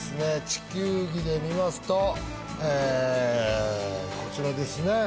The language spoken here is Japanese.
地球儀で見ますとこちらですね